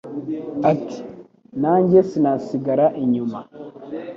Ati : na njye sinasigara inyuma